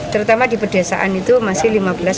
terutama di pedesaan itu masih lima belas lima puluh delapan